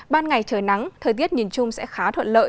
ban ngày trời nắng thời tiết nhìn chung sẽ khá thuận lợi